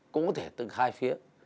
cũng có thể từ hai phía